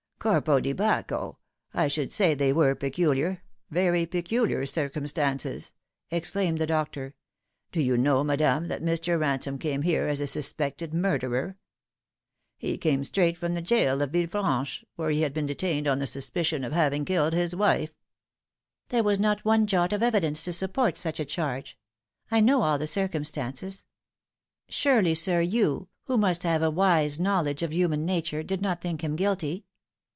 " Corpo di Bacco ! I should say they were peculiar, very peculiar circumstances !" exclaimed the doctor. " Do you know, madame, that Mr. Ransome came here as a suspected murderer ? He came straight from the gaol at Villefranche, where he had been detained on the suspicion of having killed his wife." " There was not one jot of evidence to support such a charge. I know all the circumstances. Surely, sir, you, who must have a wide knowledge of human nature, did not think him guilty